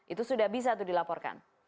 itu sudah bisa dilaporkan